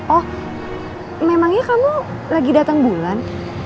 oh memangnya kamu lagi datang bulan